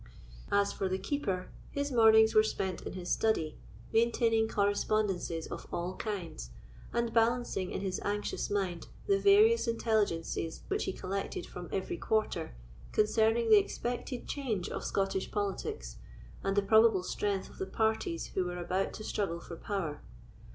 As for the Keeper, his mornings were spent in his study, maintaining correspondences of all kinds, and balancing in his anxious mind the various intelligence which he collected from every quarter concerning the expected change of Scottish politics, and the probable strength of the parties who were about to struggle for power.